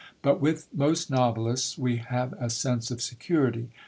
But with most novelists we have a sense of security.